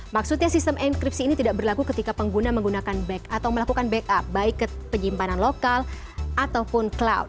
maksudnya sistem enkripsi ini tidak berlaku ketika pengguna menggunakan back atau melakukan backup baik ke penyimpanan lokal ataupun cloud